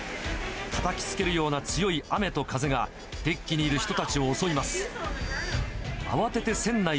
たたきつけるような強い雨と風が、デッキにいる人たちを襲います。